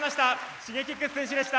Ｓｈｉｇｅｋｉｘ選手でした。